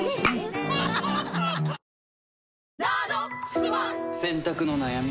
誕生洗濯の悩み？